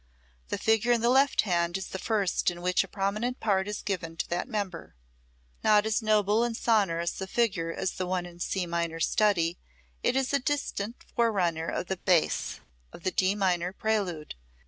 The figure in the left hand is the first in which a prominent part is given to that member. Not as noble and sonorous a figure as the one in the C minor study, it is a distinct forerunner of the bass of the D minor Prelude.